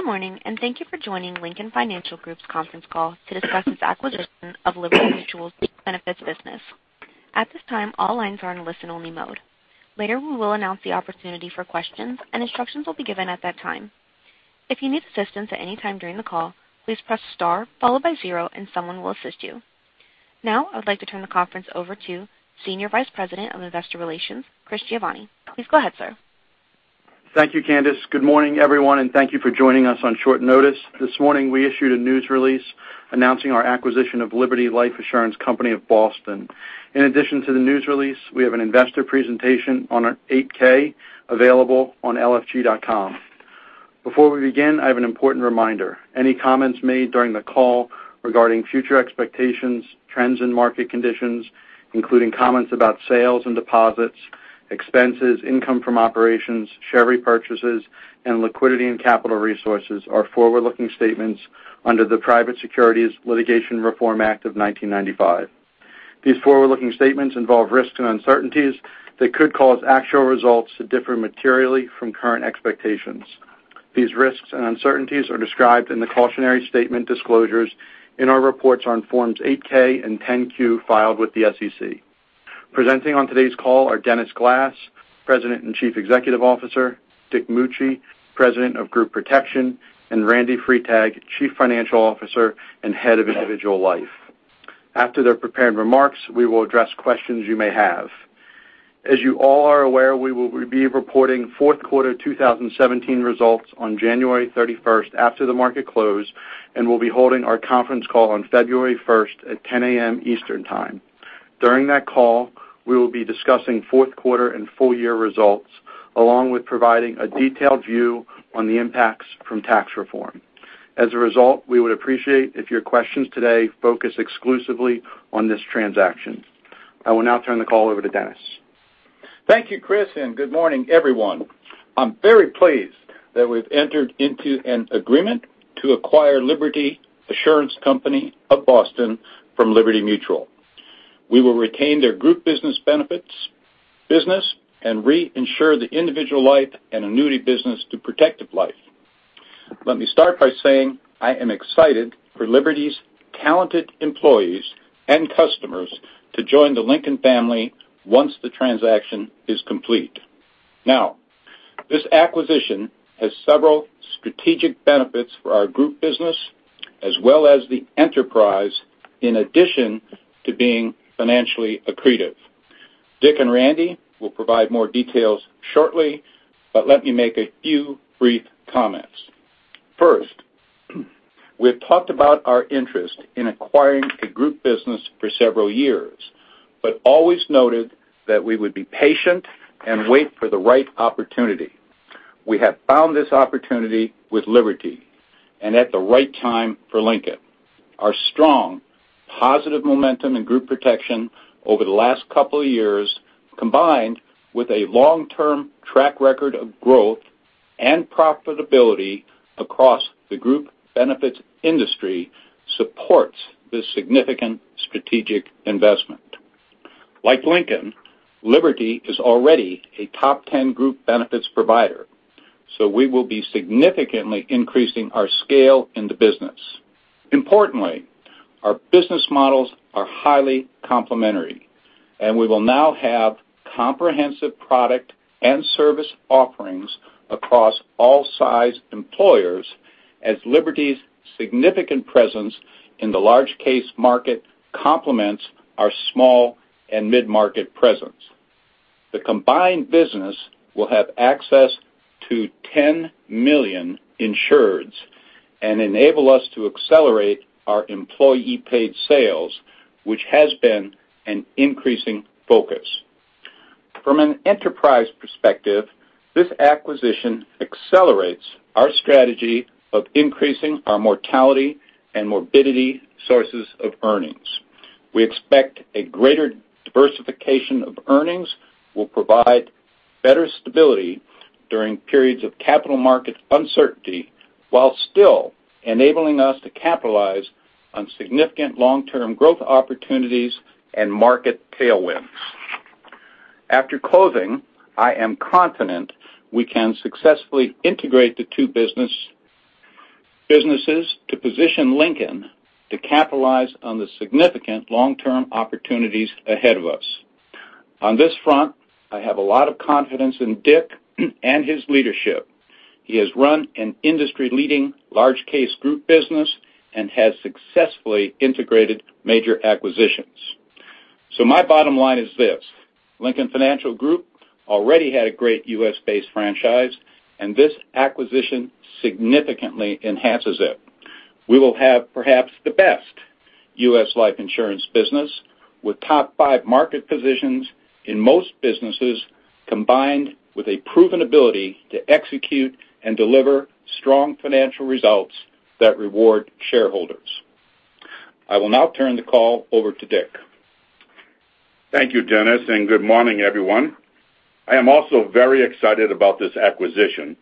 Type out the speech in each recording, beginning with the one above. Good morning, thank you for joining Lincoln Financial Group's conference call to discuss its acquisition of Liberty Mutual's benefits business. At this time, all lines are in listen-only mode. Later, we will announce the opportunity for questions, and instructions will be given at that time. If you need assistance at any time during the call, please press star followed by zero, and someone will assist you. Now, I would like to turn the conference over to Senior Vice President of Investor Relations, Christopher Giovanni. Please go ahead, sir. Thank you, Candice. Good morning, everyone, thank you for joining us on short notice. This morning, we issued a news release announcing our acquisition of Liberty Life Assurance Company of Boston. In addition to the news release, we have an investor presentation on our 8-K available on lfg.com. Before we begin, I have an important reminder. Any comments made during the call regarding future expectations, trends in market conditions, including comments about sales and deposits, expenses, income from operations, share repurchases, and liquidity and capital resources are forward-looking statements under the Private Securities Litigation Reform Act of 1995. These forward-looking statements involve risks and uncertainties that could cause actual results to differ materially from current expectations. These risks and uncertainties are described in the cautionary statement disclosures in our reports on forms 8-K and 10-Q filed with the SEC. Presenting on today's call are Dennis Glass, President and Chief Executive Officer, Dick Mucci, President of Group Protection, and Randy Freitag, Chief Financial Officer and Head of Individual Life. After their prepared remarks, we will address questions you may have. As you all are aware, we will be reporting fourth quarter 2017 results on January 31st after the market close and will be holding our conference call on February 1st at 10:00 A.M. Eastern Time. During that call, we will be discussing fourth quarter and full-year results, along with providing a detailed view on the impacts from tax reform. As a result, we would appreciate if your questions today focus exclusively on this transaction. I will now turn the call over to Dennis. Thank you, Chris, good morning, everyone. I'm very pleased that we've entered into an agreement to acquire Liberty Assurance Company of Boston from Liberty Mutual. We will retain their group business benefits business and reinsure the individual life and annuity business to Protective Life. Let me start by saying I am excited for Liberty's talented employees and customers to join the Lincoln family once the transaction is complete. This acquisition has several strategic benefits for our group business as well as the enterprise in addition to being financially accretive. Dick and Randy will provide more details shortly, but let me make a few brief comments. First, we've talked about our interest in acquiring a group business for several years, but always noted that we would be patient and wait for the right opportunity. We have found this opportunity with Liberty and at the right time for Lincoln. Our strong positive momentum in Group Protection over the last couple of years, combined with a long-term track record of growth and profitability across the group benefits industry, supports this significant strategic investment. Like Lincoln, Liberty is already a top 10 group benefits provider, so we will be significantly increasing our scale in the business. Importantly, our business models are highly complementary, and we will now have comprehensive product and service offerings across all size employers as Liberty's significant presence in the large case market complements our small and mid-market presence. The combined business will have access to 10 million insureds and enable us to accelerate our employee-paid sales, which has been an increasing focus. From an enterprise perspective, this acquisition accelerates our strategy of increasing our mortality and morbidity sources of earnings. We expect a greater diversification of earnings will provide better stability during periods of capital market uncertainty, while still enabling us to capitalize on significant long-term growth opportunities and market tailwinds. After closing, I am confident we can successfully integrate the two businesses to position Lincoln to capitalize on the significant long-term opportunities ahead of us. On this front, I have a lot of confidence in Dick and his leadership. He has run an industry-leading large case group business and has successfully integrated major acquisitions. My bottom line is this. Lincoln Financial Group already had a great U.S.-based franchise, and this acquisition significantly enhances it. We will have perhaps the best U.S. life insurance business with top five market positions in most businesses, combined with a proven ability to execute and deliver strong financial results that reward shareholders. I will now turn the call over to Dick. Thank you, Dennis, and good morning, everyone. I am also very excited about this acquisition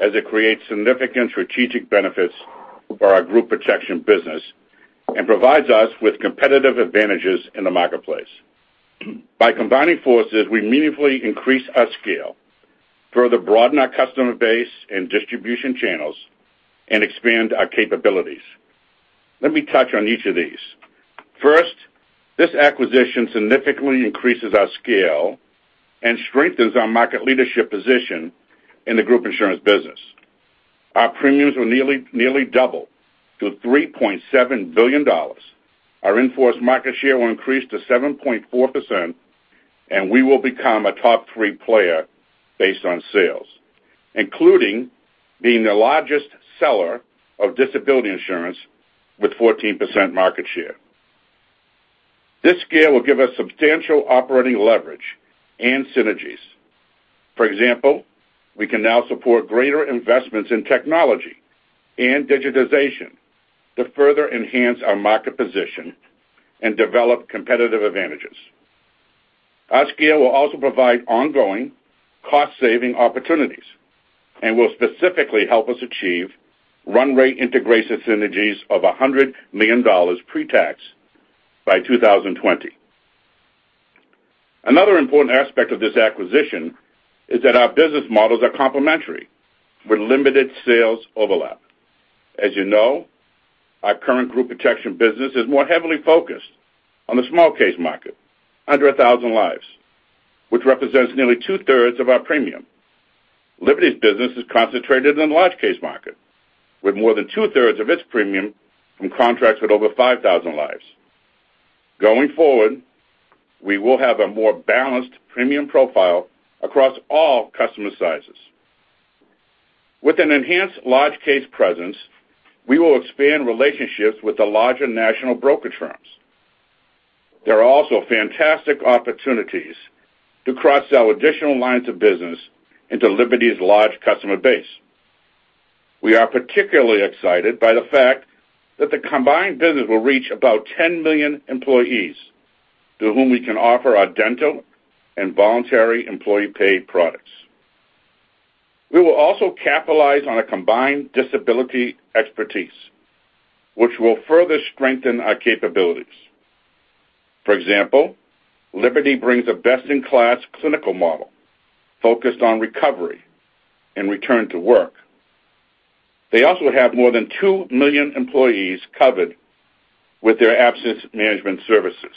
as it creates significant strategic benefits for our Group Protection business and provides us with competitive advantages in the marketplace. By combining forces, we meaningfully increase our scale, further broaden our customer base and distribution channels, and expand our capabilities. Let me touch on each of these. First, this acquisition significantly increases our scale and strengthens our market leadership position in the group insurance business. Our premiums will nearly double to $3.7 billion. Our in-force market share will increase to 7.4%, and we will become a top three player based on sales, including being the largest seller of disability insurance with 14% market share. This scale will give us substantial operating leverage and synergies. For example, we can now support greater investments in technology and digitization to further enhance our market position and develop competitive advantages. Our scale will also provide ongoing cost-saving opportunities and will specifically help us achieve run rate integration synergies of $100 million pre-tax by 2020. Another important aspect of this acquisition is that our business models are complementary with limited sales overlap. As you know, our current Group Protection business is more heavily focused on the small case market, under 1,000 lives, which represents nearly two-thirds of our premium. Liberty's business is concentrated in the large case market, with more than two-thirds of its premium from contracts with over 5,000 lives. Going forward, we will have a more balanced premium profile across all customer sizes. With an enhanced large case presence, we will expand relationships with the larger national broker firms. There are also fantastic opportunities to cross-sell additional lines of business into Liberty's large customer base. We are particularly excited by the fact that the combined business will reach about 10 million employees to whom we can offer our dental and voluntary employee-paid products. We will also capitalize on a combined disability expertise, which will further strengthen our capabilities. For example, Liberty brings a best-in-class clinical model focused on recovery and return to work. They also have more than 2 million employees covered with their absence management services.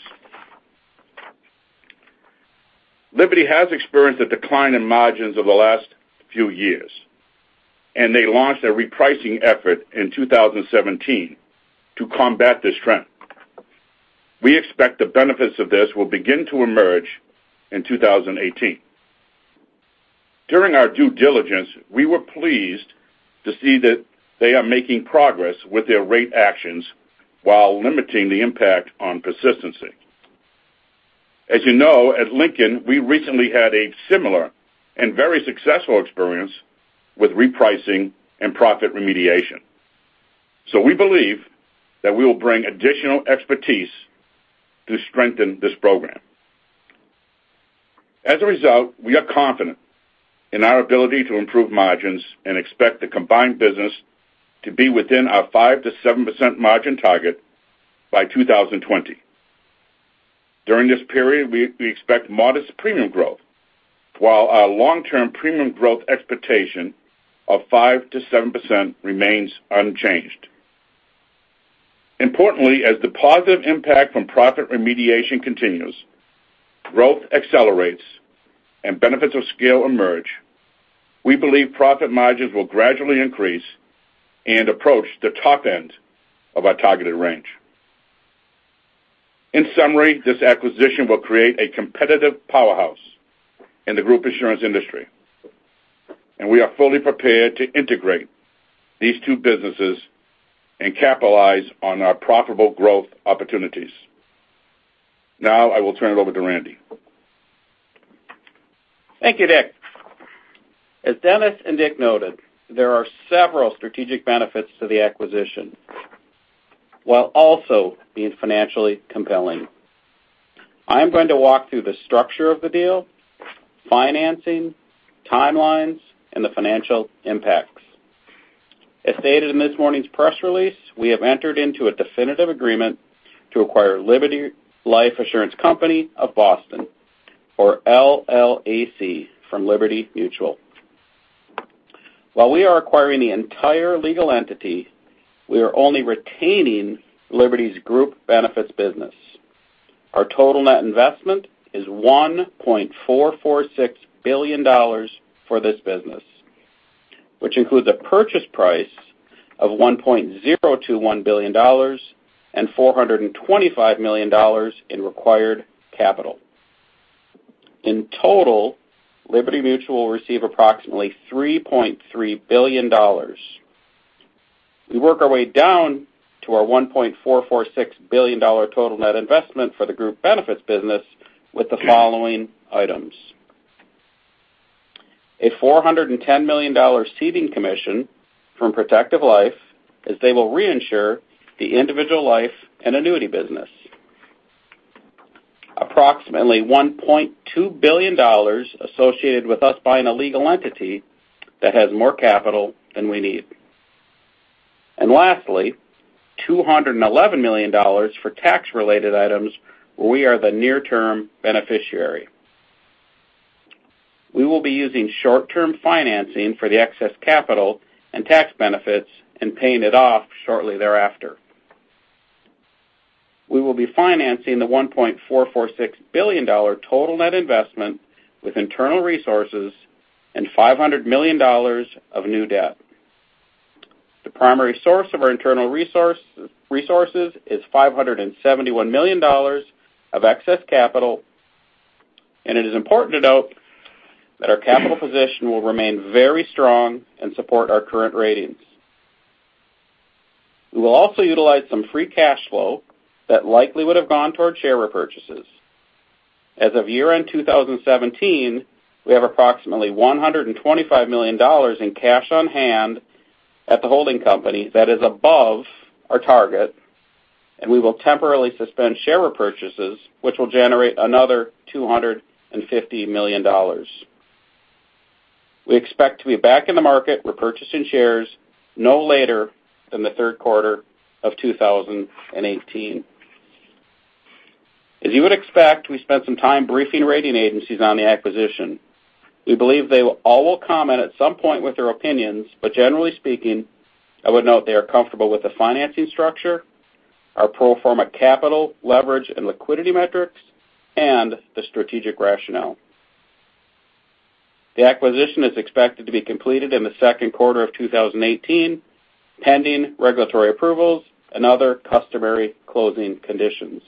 Liberty has experienced a decline in margins over the last few years, and they launched a repricing effort in 2017 to combat this trend. We expect the benefits of this will begin to emerge in 2018. During our due diligence, we were pleased to see that they are making progress with their rate actions while limiting the impact on persistency. As you know, at Lincoln, we recently had a similar and very successful experience with repricing and profit remediation. We believe that we will bring additional expertise to strengthen this program. As a result, we are confident in our ability to improve margins and expect the combined business to be within our 5%-7% margin target by 2020. During this period, we expect modest premium growth, while our long-term premium growth expectation of 5%-7% remains unchanged. Importantly, as the positive impact from profit remediation continues, growth accelerates, and benefits of scale emerge, we believe profit margins will gradually increase and approach the top end of our targeted range. In summary, this acquisition will create a competitive powerhouse in the group insurance industry, and we are fully prepared to integrate these two businesses and capitalize on our profitable growth opportunities. Now I will turn it over to Randy. Thank you, Dick. As Dennis and Dick noted, there are several strategic benefits to the acquisition while also being financially compelling. I'm going to walk through the structure of the deal, financing, timelines, and the financial impacts. As stated in this morning's press release, we have entered into a definitive agreement to acquire Liberty Life Assurance Company of Boston, or LLAC, from Liberty Mutual. While we are acquiring the entire legal entity, we are only retaining Liberty's group benefits business. Our total net investment is $1.446 billion for this business, which includes a purchase price of $1.021 billion and $425 million in required capital. In total, Liberty Mutual will receive approximately $3.3 billion. We work our way down to our $1.446 billion total net investment for the group benefits business with the following items. A $410 million ceding commission from Protective Life as they will reinsure the Individual Life and annuity business. Approximately $1.2 billion associated with us buying a legal entity that has more capital than we need. Lastly, $211 million for tax-related items where we are the near-term beneficiary. We will be using short-term financing for the excess capital and tax benefits and paying it off shortly thereafter. We will be financing the $1.446 billion total net investment with internal resources and $500 million of new debt. The primary source of our internal resources is $571 million of excess capital, and it is important to note that our capital position will remain very strong and support our current ratings. We will also utilize some free cash flow that likely would've gone toward share repurchases. As of year-end 2017, we have approximately $125 million in cash on hand at the holding company that is above our target, and we will temporarily suspend share repurchases, which will generate another $250 million. We expect to be back in the market repurchasing shares no later than the third quarter of 2018. As you would expect, we spent some time briefing rating agencies on the acquisition. We believe they all will comment at some point with their opinions, but generally speaking, I would note they are comfortable with the financing structure, our pro forma capital leverage and liquidity metrics, and the strategic rationale. The acquisition is expected to be completed in the second quarter of 2018, pending regulatory approvals and other customary closing conditions,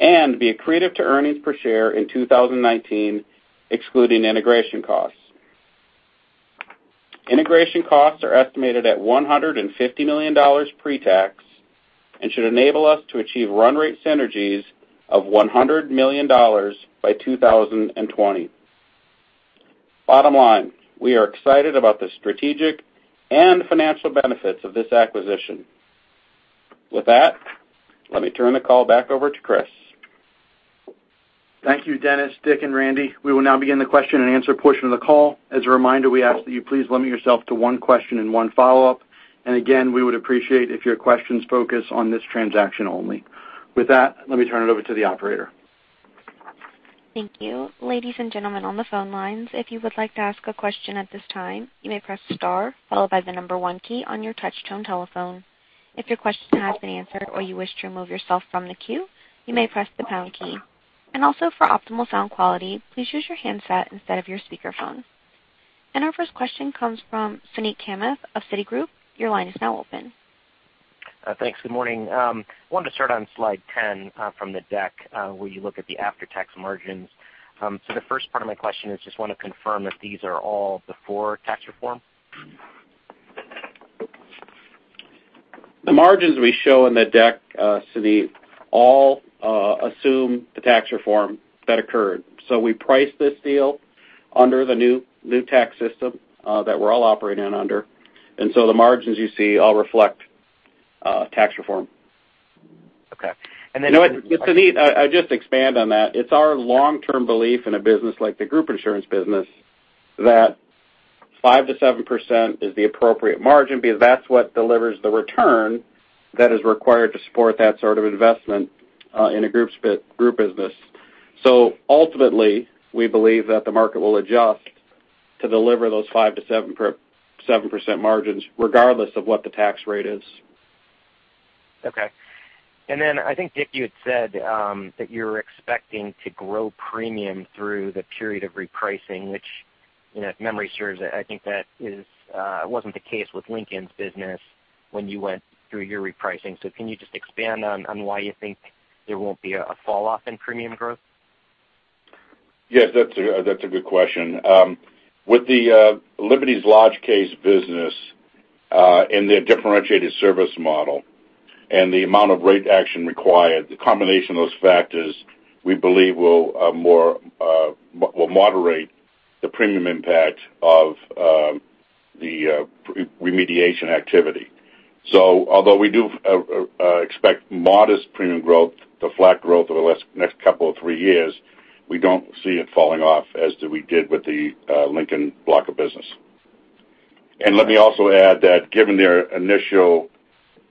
and be accretive to earnings per share in 2019, excluding integration costs. Integration costs are estimated at $150 million pre-tax and should enable us to achieve run rate synergies of $100 million by 2020. Bottom line, we are excited about the strategic and financial benefits of this acquisition. With that, let me turn the call back over to Chris. Thank you, Dennis, Dick, and Randy. We will now begin the question and answer portion of the call. As a reminder, we ask that you please limit yourself to one question and one follow-up, and again, we would appreciate if your questions focus on this transaction only. With that, let me turn it over to the operator. Thank you. Ladies and gentlemen on the phone lines, if you would like to ask a question at this time, you may press star followed by the number one key on your touch tone telephone. If your question has been answered or you wish to remove yourself from the queue, you may press the pound key. Also for optimal sound quality, please use your handset instead of your speakerphone. Our first question comes from Suneet Kamath of Citigroup. Your line is now open. Thanks. Good morning. I wanted to start on slide 10 from the deck where you look at the after-tax margins. The first part of my question is just want to confirm if these are all before tax reform? The margins we show in the deck, Suneet, all assume the tax reform that occurred. We priced this deal under the new tax system that we're all operating under. The margins you see all reflect tax reform. Okay. You know what, Suneet, I'll just expand on that. It's our long-term belief in a business like the Group Protection business that 5%-7% is the appropriate margin because that's what delivers the return that is required to support that sort of investment in a group business. Ultimately, we believe that the market will adjust to deliver those 5%-7% margins regardless of what the tax rate is. Okay. I think, Dick, you had said that you're expecting to grow premium through the period of repricing, which, if memory serves, I think that wasn't the case with Lincoln's business when you went through your repricing. Can you just expand on why you think there won't be a fall off in premium growth? Yes. That's a good question. With the Liberty's large case business, and their differentiated service model and the amount of rate action required, the combination of those factors, we believe will moderate the premium impact of the remediation activity. Although we do expect modest premium growth to flat growth over the next couple of three years, we don't see it falling off as we did with the Lincoln block of business. Let me also add that given their initial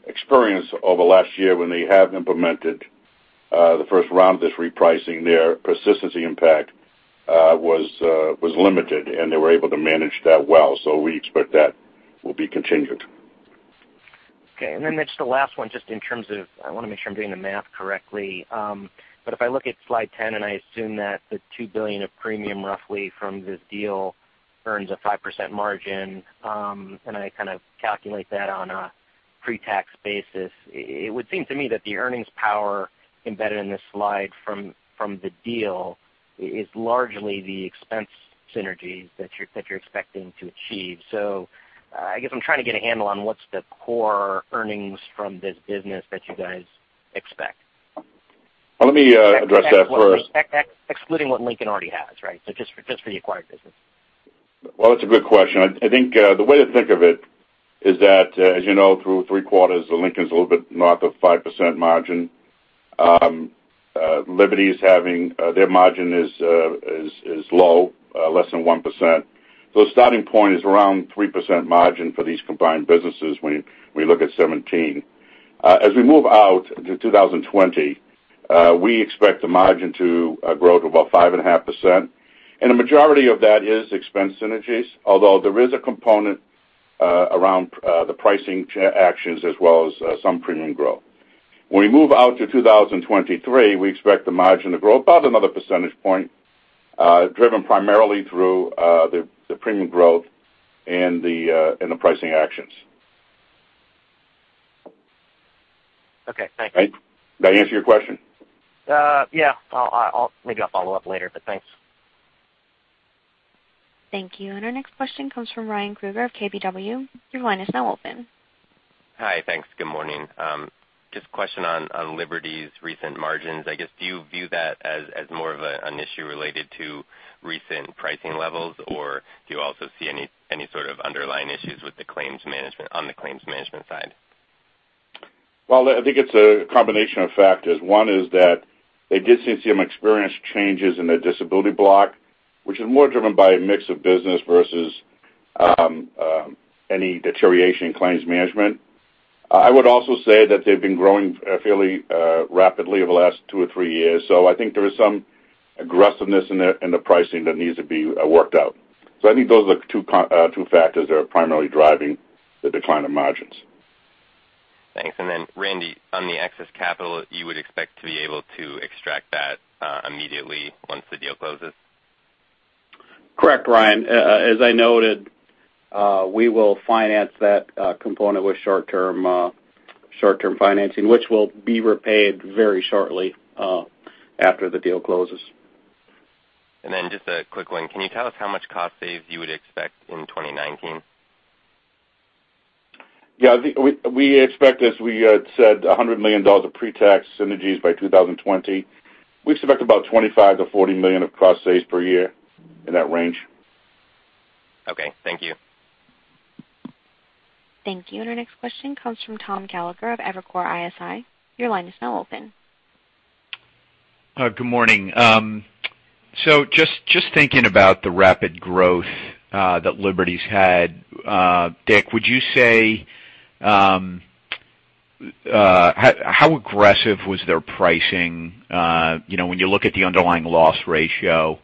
experience over last year when they have implemented the first round of this repricing, their persistency impact was limited, and they were able to manage that well. We expect that will be contingent. Okay. Mucci, the last one, I want to make sure I'm doing the math correctly. If I look at slide 10, and I assume that the $2 billion of premium roughly from this deal earns a 5% margin, and I kind of calculate that on a pre-tax basis, it would seem to me that the earnings power embedded in this slide from the deal is largely the expense synergies that you're expecting to achieve. I guess I'm trying to get a handle on what's the core earnings from this business that you guys expect. Let me address that first. Excluding what Lincoln already has, right? Just for the acquired business. Well, that's a good question. I think the way to think of it is that, as you know, through three quarters, Lincoln's a little bit north of 5% margin. Liberty's their margin is low, less than 1%. Starting point is around 3% margin for these combined businesses when we look at 2017. As we move out to 2020, we expect the margin to grow to about 5.5%, and a majority of that is expense synergies. Although there is a component around the pricing actions as well as some premium growth. When we move out to 2023, we expect the margin to grow about another percentage point, driven primarily through the premium growth and the pricing actions. Okay, thanks. Did I answer your question? Yeah. Maybe I'll follow up later, thanks. Thank you. Our next question comes from Ryan Krueger of KBW. Your line is now open. Hi. Thanks. Good morning. Just a question on Liberty's recent margins. I guess, do you view that as more of an issue related to recent pricing levels? Or do you also see any sort of underlying issues with the claims management on the claims management side? I think it's a combination of factors. One is that they did seem to experience changes in their disability block, which is more driven by a mix of business versus any deterioration in claims management. I would also say that they've been growing fairly rapidly over the last two or three years, so I think there is some aggressiveness in the pricing that needs to be worked out. I think those are two factors that are primarily driving the decline of margins. Thanks. Randy, on the excess capital, you would expect to be able to extract that immediately once the deal closes? Correct, Ryan. As I noted, we will finance that component with short-term financing, which will be repaid very shortly after the deal closes. Just a quick one. Can you tell us how much cost saves you would expect in 2019? We expect, as we had said, $100 million of pre-tax synergies by 2020. We expect about $25 to $40 million of cost saves per year in that range. Thank you. Thank you. Our next question comes from Thomas Gallagher of Evercore ISI. Your line is now open. Good morning. Just thinking about the rapid growth that Liberty's had, Dick, would you say, how aggressive was their pricing? When you look at the underlying loss ratio,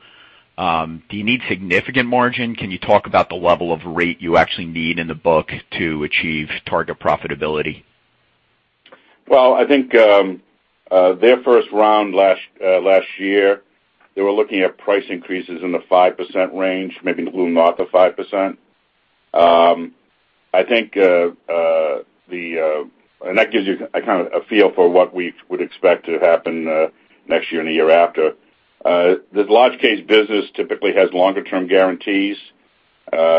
do you need significant margin? Can you talk about the level of rate you actually need in the book to achieve target profitability? Well, I think their first round last year, they were looking at price increases in the 5% range, maybe a little north of 5%. That gives you a feel for what we would expect to happen next year and the year after. The large case business typically has longer term guarantees,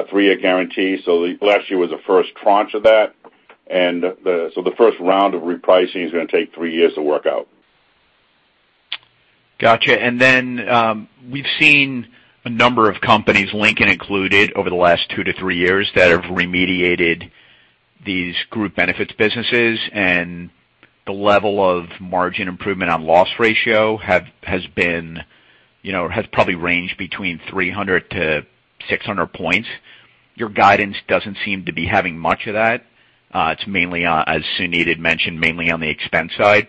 three-year guarantees. Last year was the first tranche of that. The first round of repricing is going to take three years to work out. Got you. We've seen a number of companies, Lincoln included, over the last two to three years that have remediated these group benefits businesses, the level of margin improvement on loss ratio has probably ranged between 300 to 600 points. Your guidance doesn't seem to be having much of that. It's mainly, as Suneet had mentioned, mainly on the expense side.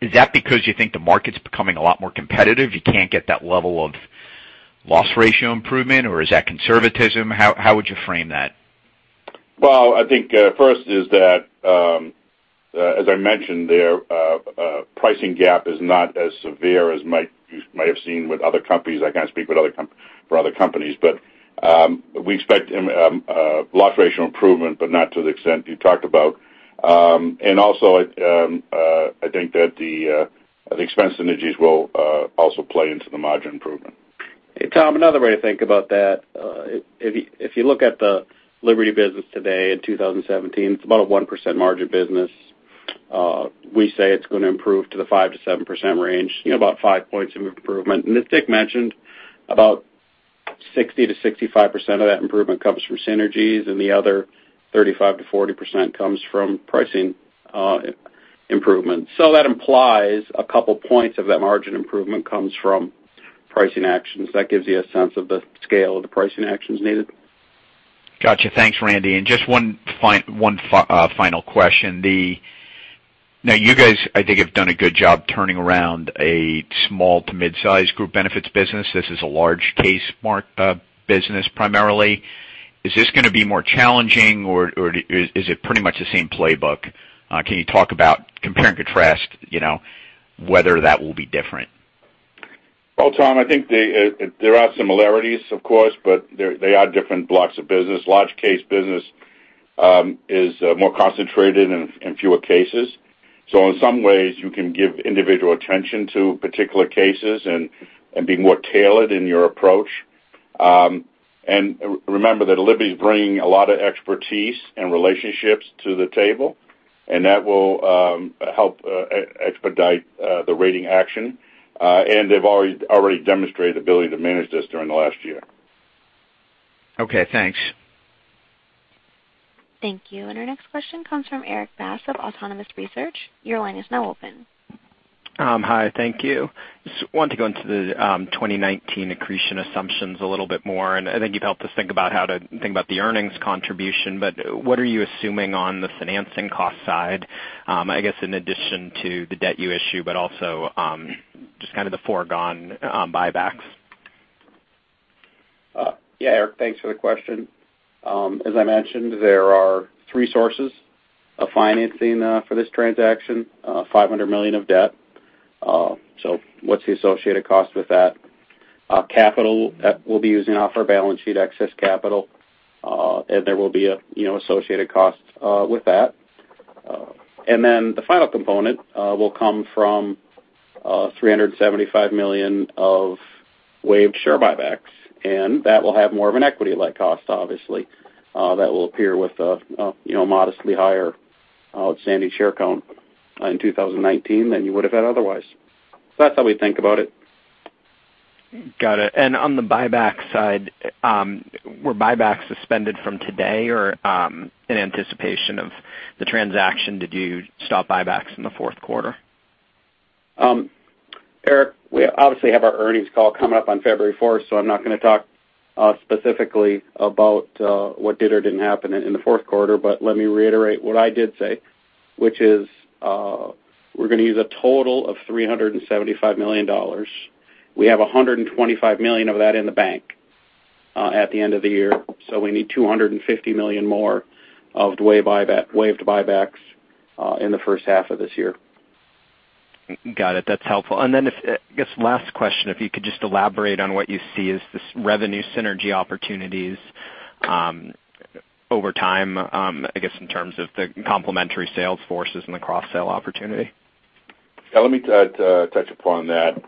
Is that because you think the market's becoming a lot more competitive, you can't get that level of loss ratio improvement? Is that conservatism? How would you frame that? Well, I think, first is that, as I mentioned, their pricing gap is not as severe as you might have seen with other companies. I can't speak for other companies, we expect loss ratio improvement, but not to the extent you talked about. Also, I think that the expense synergies will also play into the margin improvement. Hey, Tom, another way to think about that, if you look at the Liberty business today in 2017, it's about a 1% margin business. We say it's going to improve to the 5%-7% range, about five points of improvement. As Dick mentioned, about 60%-65% of that improvement comes from synergies, the other 35%-40% comes from pricing improvements. That implies a couple points of that margin improvement comes from pricing actions. That gives you a sense of the scale of the pricing actions needed. Got you. Thanks, Randy. Just one final question. Now you guys, I think, have done a good job turning around a small to mid-size group benefits business. This is a large case business primarily. Is this going to be more challenging or is it pretty much the same playbook? Can you talk about compare and contrast, whether that will be different? Well, Tom, I think there are similarities of course, they are different blocks of business. Large case business is more concentrated in fewer cases. In some ways you can give individual attention to particular cases and be more tailored in your approach. Remember that Liberty's bringing a lot of expertise and relationships to the table, that will help expedite the rating action. They've already demonstrated the ability to manage this during the last year. Okay, thanks. Thank you. Our next question comes from Erik Bass of Autonomous Research. Your line is now open. Hi, thank you. Just wanted to go into the 2019 accretion assumptions a little bit more. I think you've helped us think about the earnings contribution, what are you assuming on the financing cost side? I guess, in addition to the debt you issue, also just kind of the foregone buybacks? Erik, thanks for the question. As I mentioned, there are three sources of financing for this transaction. 500 million of debt. What's the associated cost with that? Capital, we'll be using off our balance sheet excess capital, there will be associated costs with that. The final component will come from 375 million of waived share buybacks, that will have more of an equity-like cost, obviously. That will appear with a modestly higher outstanding share count in 2019 than you would have had otherwise. That's how we think about it. Got it. On the buyback side, were buybacks suspended from today or, in anticipation of the transaction, did you stop buybacks in the fourth quarter? Erik, we obviously have our earnings call coming up on February 1st. I'm not going to talk specifically about what did or didn't happen in the fourth quarter, let me reiterate what I did say, which is we're going to use a total of $375 million. We have $125 million of that in the bank at the end of the year, we need $250 million more of waived buybacks in the first half of this year. Got it. That's helpful. Then, I guess last question, if you could just elaborate on what you see as this revenue synergy opportunities over time, I guess, in terms of the complementary sales forces and the cross-sell opportunity. Yeah, let me touch upon that.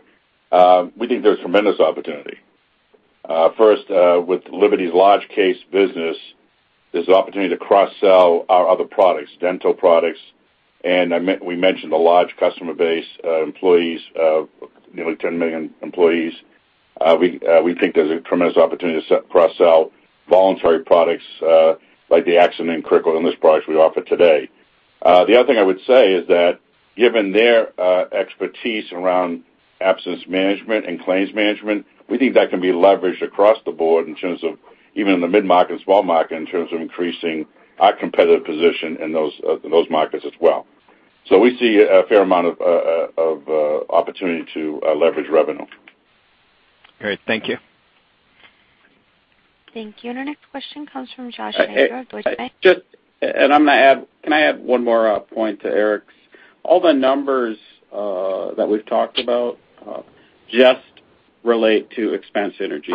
We think there's tremendous opportunity. First, with Liberty's large case business, there's an opportunity to cross-sell our other products, dental products, and we mentioned a large customer base of nearly 10 million employees. We think there's a tremendous opportunity to cross-sell voluntary products like the accident and critical illness products we offer today. The other thing I would say is that given their expertise around absence management and claims management, we think that can be leveraged across the board in terms of even in the mid-market and small market, in terms of increasing our competitive position in those markets as well. We see a fair amount of opportunity to leverage revenue. Great. Thank you. Thank you. Our next question comes from Josh Shanker of Deutsche Bank. Can I add one more point to Erik's? All the numbers that we've talked about just relate to expense synergy.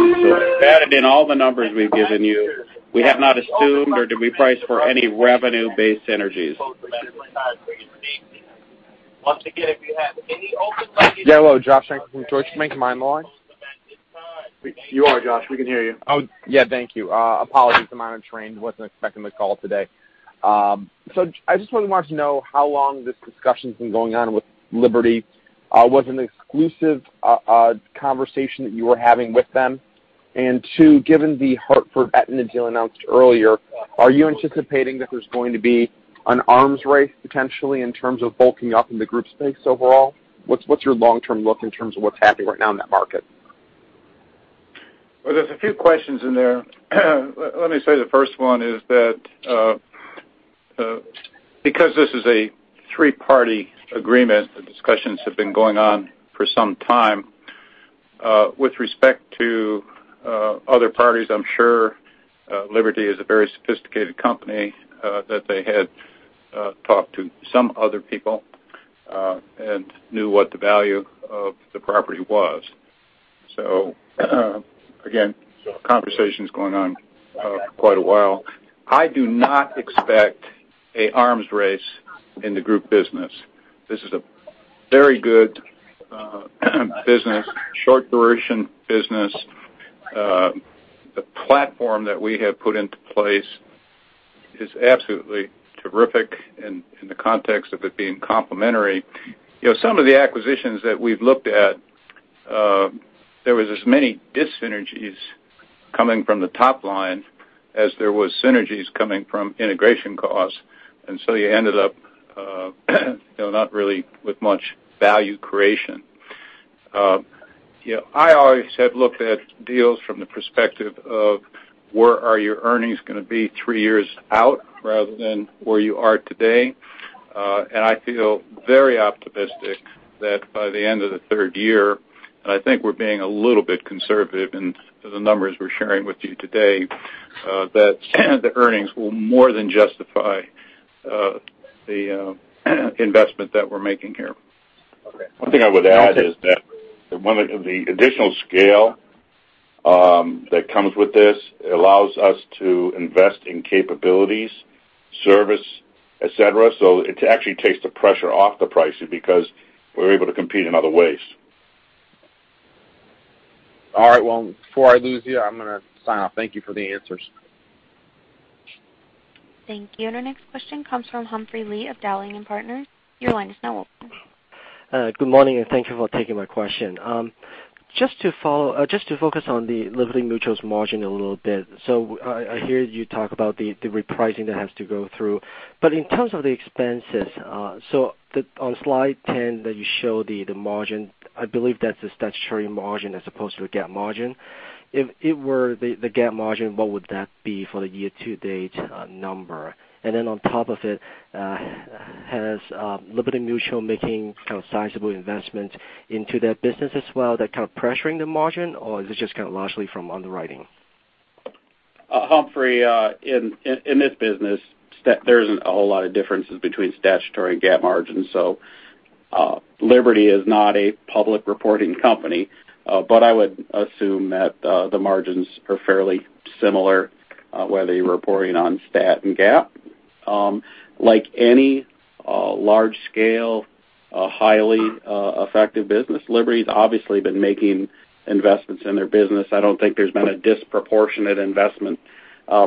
That had been all the numbers we've given you. We have not assumed or did we price for any revenue-based synergies. Yeah. Hello, Josh Shanker from Deutsche Bank. Am I on the line? You are, Josh. We can hear you. Oh, yeah. Thank you. Apologies. I'm on a train. Wasn't expecting the call today. I just really wanted to know how long this discussion's been going on with Liberty. Was it an exclusive conversation that you were having with them? And two, given The Hartford Aetna deal announced earlier, are you anticipating that there's going to be an arms race potentially in terms of bulking up in the group space overall? What's your long-term look in terms of what's happening right now in that market? There's a few questions in there. Let me say the first one is that because this is a three-party agreement, the discussions have been going on for some time. With respect to other parties, I'm sure Liberty is a very sophisticated company, that they had talked to some other people, and knew what the value of the property was. Again, conversation's gone on quite a while. I do not expect an arms race in the group business. This is a very good business, short-duration business. The platform that we have put into place is absolutely terrific in the context of it being complementary. Some of the acquisitions that we've looked at, there was as many dis-synergies coming from the top line as there was synergies coming from integration costs, you ended up not really with much value creation. I always have looked at deals from the perspective of where are your earnings going to be three years out rather than where you are today. I feel very optimistic that by the end of the third year, and I think we're being a little bit conservative in the numbers we're sharing with you today, that the earnings will more than justify the investment that we're making here. Okay. One thing I would add is that the additional scale that comes with this allows us to invest in capabilities, service, et cetera. It actually takes the pressure off the pricing because we're able to compete in other ways. All right. Before I lose you, I'm going to sign off. Thank you for the answers. Thank you. Our next question comes from Humphrey Lee of Dowling & Partners. Your line is now open. Good morning, and thank you for taking my question. Just to focus on the Liberty Mutual's margin a little bit. I hear you talk about the repricing that has to go through. In terms of the expenses, so on slide 10 that you show the margin, I believe that's the statutory margin as opposed to a GAAP margin. If it were the GAAP margin, what would that be for the year-to-date number? On top of it, has Liberty Mutual making sizable investments into that business as well, that kind of pressuring the margin, or is this just kind of largely from underwriting? Humphrey, in this business, there isn't a whole lot of differences between statutory and GAAP margins. Liberty is not a public reporting company, but I would assume that the margins are fairly similar, whether you're reporting on stat and GAAP. Like any large scale, highly effective business, Liberty's obviously been making investments in their business. I don't think there's been a disproportionate investment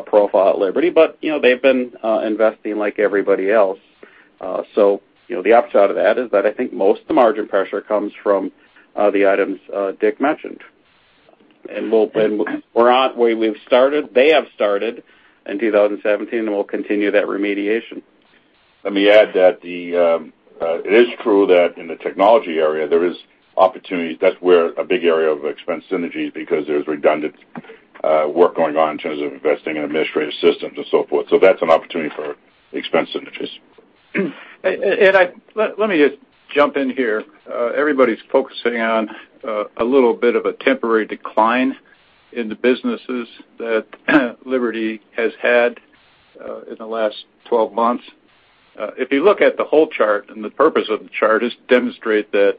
profile at Liberty, but they've been investing like everybody else. The upside of that is that I think most of the margin pressure comes from the items Dick mentioned. We've started, they have started in 2017, and we'll continue that remediation. Let me add that it is true that in the technology area, there is opportunities. That's where a big area of expense synergy because there's redundant work going on in terms of investing in administrative systems and so forth. That's an opportunity for expense synergies. Let me just jump in here. Everybody's focusing on a little bit of a temporary decline in the businesses that Liberty has had in the last 12 months. If you look at the whole chart, the purpose of the chart is to demonstrate that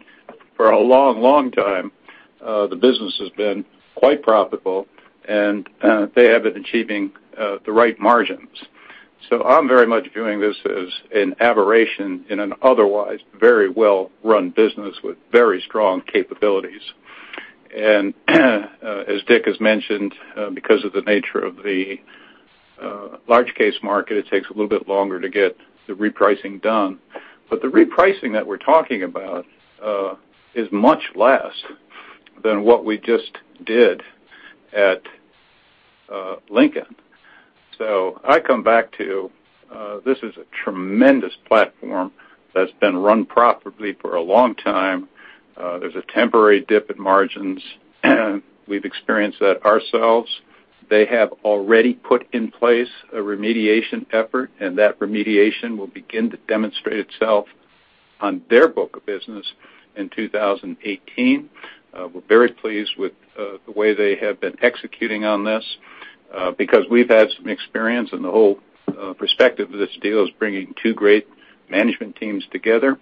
for a long time, the business has been quite profitable, and they have been achieving the right margins. I'm very much viewing this as an aberration in an otherwise very well-run business with very strong capabilities. As Dick has mentioned, because of the nature of the large case market, it takes a little bit longer to get the repricing done. The repricing that we're talking about is much less than what we just did at Lincoln. I come back to, this is a tremendous platform that's been run profitably for a long time. There's a temporary dip in margins. We've experienced that ourselves. They have already put in place a remediation effort, that remediation will begin to demonstrate itself on their book of business in 2018. We're very pleased with the way they have been executing on this, because we've had some experience, the whole perspective of this deal is bringing two great management teams together.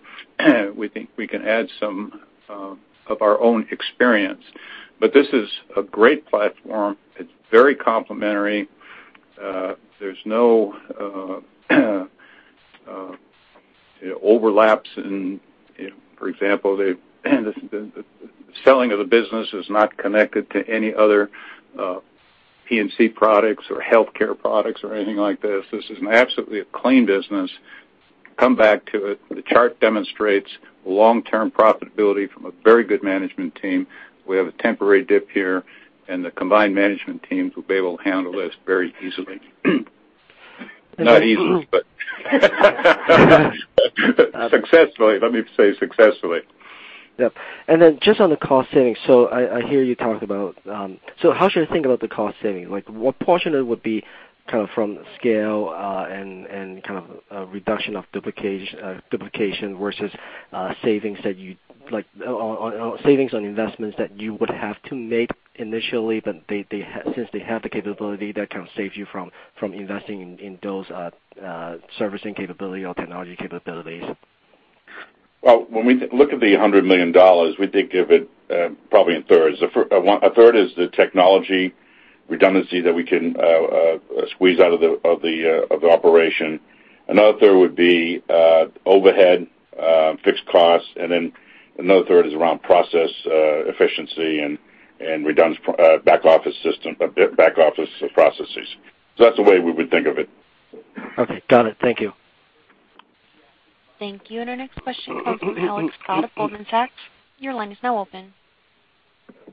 We think we can add some of our own experience. This is a great platform. It's very complementary. There's no overlaps in, for example, the selling of the business is not connected to any other P&C products or healthcare products or anything like this. This is absolutely a clean business. Come back to it, the chart demonstrates long-term profitability from a very good management team. We have a temporary dip here, the combined management teams will be able to handle this very easily. Not easily, but successfully. Let me say successfully. Yep. Just on the cost savings. I hear you talk about how should I think about the cost savings? What portion of it would be from scale and kind of a reduction of duplication versus savings on investments that you would have to make initially, since they have the capability, that kind of saves you from investing in those servicing capability or technology capabilities? Well, when we look at the $100 million, we think of it probably in thirds. A third is the technology redundancy that we can squeeze out of the operation. Another third would be overhead, fixed costs, and then another third is around process efficiency and back office processes. That's the way we would think of it. Okay. Got it. Thank you. Thank you. Our next question comes from Alex Scott of Goldman Sachs. Your line is now open. Hi.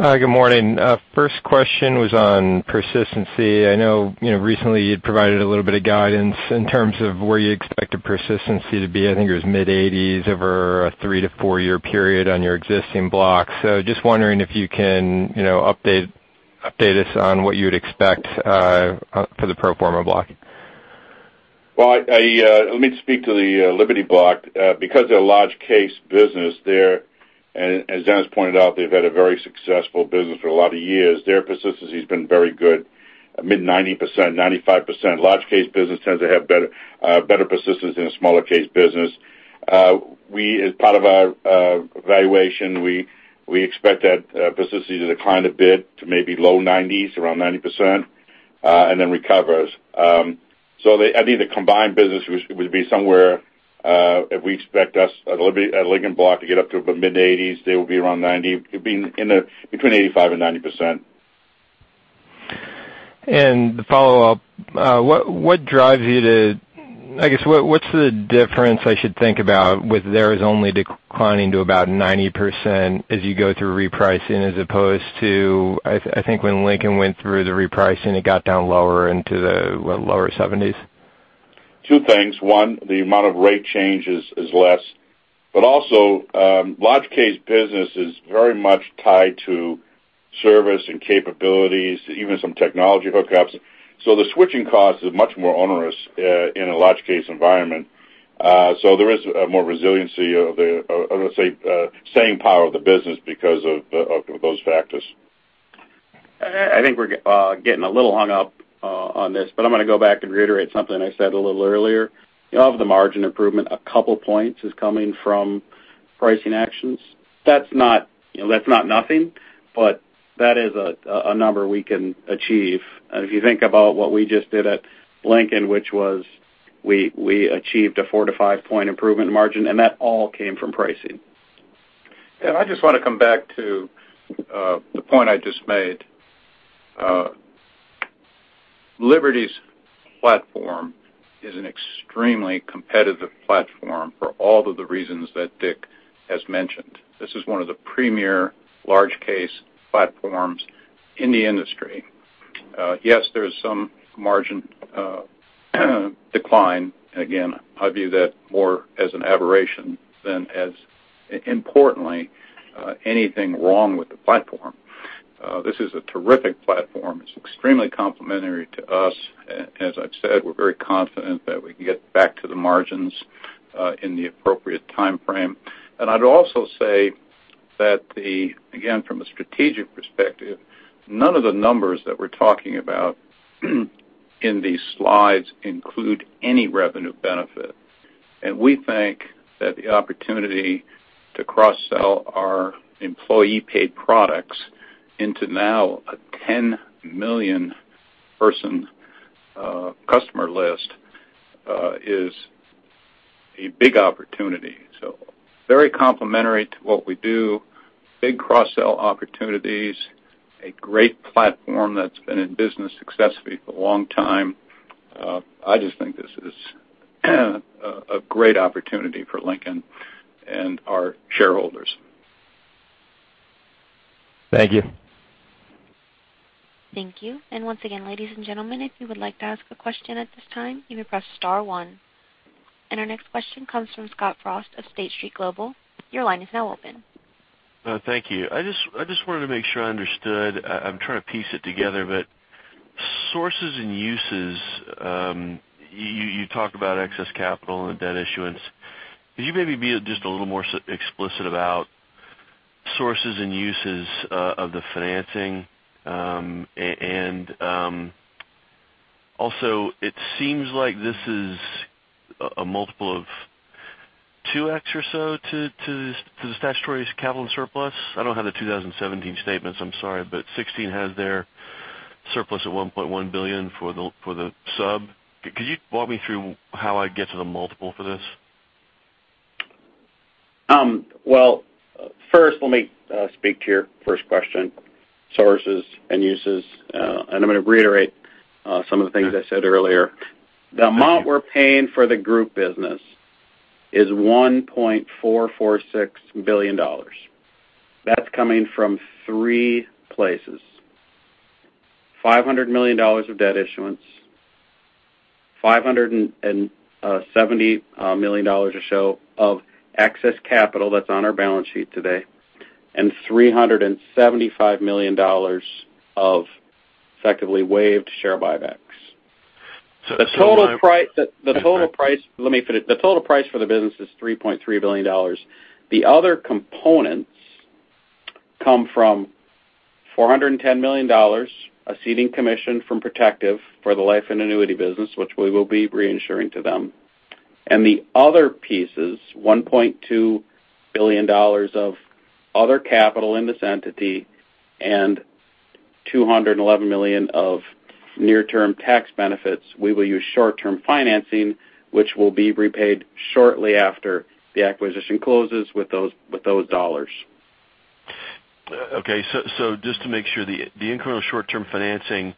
Good morning. First question was on persistency. I know recently you'd provided a little bit of guidance in terms of where you expected persistency to be. I think it was mid-80s over a three to four-year period on your existing blocks. Just wondering if you can update us on what you would expect for the pro forma block. Well, let me speak to the Liberty block. They're a large case business there, and as Dennis pointed out, they've had a very successful business for a lot of years. Their persistency has been very good, mid-90%, 95%. Large case business tends to have better persistence than a smaller case business. As part of our valuation, we expect that persistency to decline a bit to maybe low 90s, around 90%, and then recovers. I think the combined business would be somewhere, if we expect us at a Lincoln block to get up to the mid-80s, they will be around 90, between 85% and 90%. The follow-up, what drives you to I guess, what's the difference I should think about with theirs only declining to about 90% as you go through repricing as opposed to, I think when Lincoln went through the repricing, it got down lower into the, what, lower 70s? Two things. One, the amount of rate changes is less, also, large case business is very much tied to service and capabilities, even some technology hookups. The switching cost is much more onerous in a large case environment. There is more resiliency of the, I'm going to say, staying power of the business because of those factors. I think we're getting a little hung up on this, I'm going to go back and reiterate something I said a little earlier. Of the margin improvement, a couple points is coming from pricing actions. That's not nothing, that is a number we can achieve. If you think about what we just did at Lincoln, which was we achieved a four to five-point improvement margin, that all came from pricing. I just want to come back to the point I just made. Liberty's platform is an extremely competitive platform for all of the reasons that Dick has mentioned. This is one of the premier large case platforms in the industry. Yes, there is some margin decline. Again, I view that more as an aberration than as, importantly, anything wrong with the platform. This is a terrific platform. It's extremely complementary to us. As I've said, we're very confident that we can get back to the margins in the appropriate timeframe. I'd also say that the, again, from a strategic perspective, none of the numbers that we're talking about in these slides include any revenue benefit. We think that the opportunity to cross-sell our employee-paid products into now a 10 million person customer list is a big opportunity. Very complementary to what we do, big cross-sell opportunities, a great platform that's been in business successfully for a long time. I just think this is a great opportunity for Lincoln and our shareholders. Thank you. Thank you. Once again, ladies and gentlemen, if you would like to ask a question at this time, you may press star one. Our next question comes from Scott Frost of State Street Global. Your line is now open. Thank you. I just wanted to make sure I understood. I'm trying to piece it together, sources and uses, you talked about excess capital and debt issuance. Could you maybe be just a little more explicit about sources and uses of the financing? Also, it seems like this is a multiple of 2x or so to the statutory capital and surplus. I don't have the 2017 statements, I'm sorry, 2016 has their surplus of $1.1 billion for the sub. Could you walk me through how I get to the multiple for this? Well, first let me speak to your first question, sources and uses. I'm going to reiterate some of the things I said earlier. Thank you. The amount we're paying for the group business is $1.446 billion. That's coming from three places, $500 million of debt issuance, $570 million or so of excess capital that's on our balance sheet today, and $375 million of effectively waived share buybacks. So- The total price for the business is $3.3 billion. The other components come from $410 million, a ceding commission from Protective for the life and annuity business, which we will be reinsuring to them. The other pieces, $1.2 billion of other capital in this entity and $211 million of near-term tax benefits, we will use short-term financing, which will be repaid shortly after the acquisition closes with those dollars. Okay. Just to make sure, the incremental short-term financing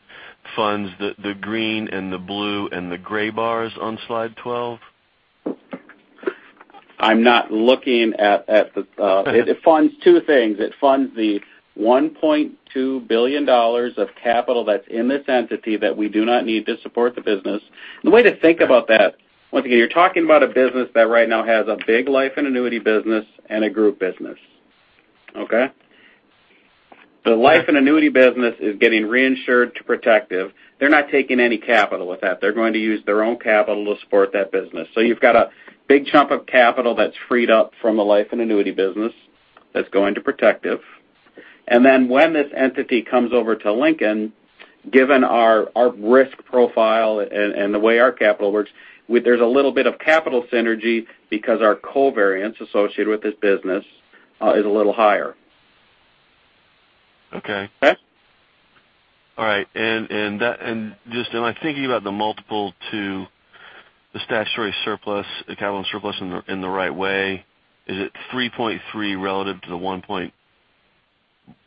funds the green and the blue and the gray bars on slide 12? It funds two things. It funds the $1.2 billion of capital that's in this entity that we do not need to support the business. The way to think about that, once again, you're talking about a business that right now has a big life and annuity business and a group business. Okay? The life and annuity business is getting reinsured to Protective. They're not taking any capital with that. They're going to use their own capital to support that business. You've got a big chunk of capital that's freed up from the life and annuity business that's going to Protective. Then when this entity comes over to Lincoln, given our risk profile and the way our capital works, there's a little bit of capital synergy because our covariance associated with this business is a little higher. Okay. Okay? All right. Just am I thinking about the multiple to the statutory surplus, the capital and surplus in the right way? Is it 3.3 relative to the 1.1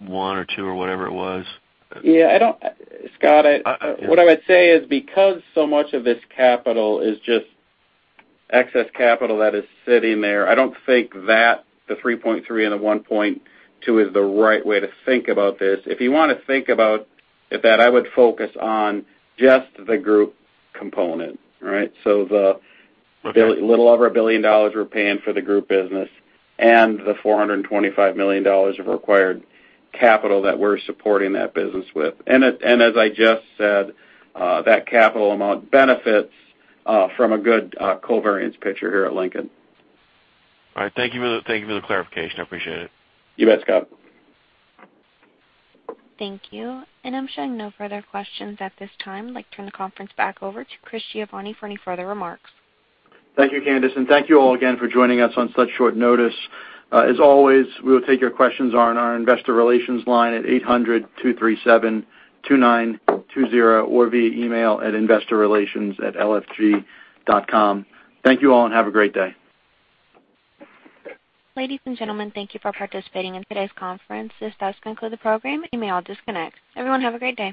or 2 or whatever it was? I don't, Scott, what I would say is because so much of this capital is just excess capital that is sitting there, I don't think that the 3.3 and the 1.2 is the right way to think about this. If you want to think about it, I would focus on just the group component, right? Okay little over $1 billion we're paying for the group business and the $425 million of required capital that we're supporting that business with. As I just said, that capital amount benefits from a good covariance picture here at Lincoln. All right. Thank you for the clarification. I appreciate it. You bet, Scott. Thank you. I'm showing no further questions at this time. I'd like to turn the conference back over to Christopher Giovanni for any further remarks. Thank you, Candice. Thank you all again for joining us on such short notice. As always, we will take your questions on our investor relations line at 800-237-2920 or via email at investorrelations@lfg.com. Thank you all, and have a great day. Ladies and gentlemen, thank you for participating in today's conference. This does conclude the program. You may all disconnect. Everyone have a great day.